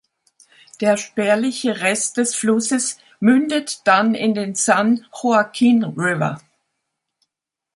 Der spärliche Rest des Flusses mündet dann in den San Joaquin River.